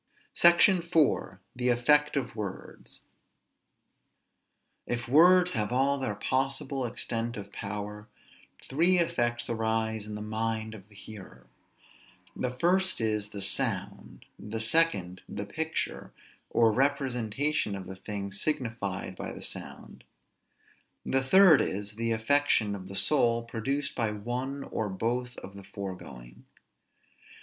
SECTION IV. THE EFFECT OF WORDS. If words have all their possible extent of power, three effects arise in the mind of the hearer. The first is, the sound; the second, the picture, or representation of the thing signified by the sound; the third is, the affection of the soul produced by one or by both of the foregoing.